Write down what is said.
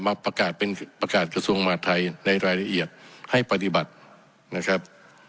มาประกาศเป็นประกาศกระทรวงมหาธัยในรายละเอียดให้ปฏิบัตินะครับ